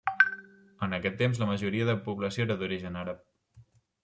En aquest temps la majoria de la població era d'origen àrab.